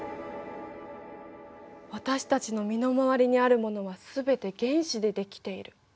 私たちの身の回りにあるものはすべて原子で出来ている。